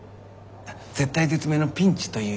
絶体絶命のピンチという意味です。